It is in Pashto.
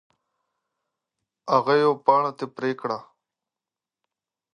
هغه یوه پاڼه ترې پرې کړه.